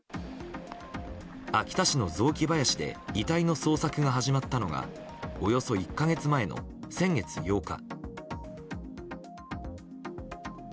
秋田市の雑木林で遺体の捜索が始まったのがおよそ１か月前の、先月８日。